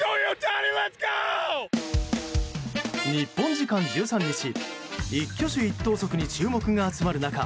日本時間１３日一挙手一投足に注目が集まる中